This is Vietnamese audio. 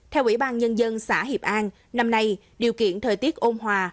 theo ủy ban nhân dân xã hiệp an năm nay điều kiện thời tiết ôn hòa